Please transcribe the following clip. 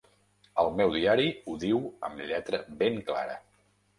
El meu diari ho diu amb lletra ben clara.